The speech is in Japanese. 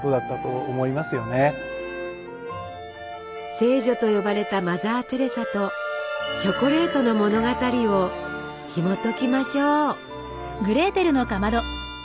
「聖女」と呼ばれたマザー・テレサとチョコレートの物語をひもときましょう。